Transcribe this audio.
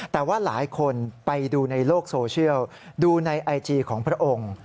แต่ว่าหลายคนไปดูในโลกโซเชียลดูในไอจีของพระองค์